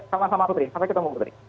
selamat selamat putri sampai ketemu putri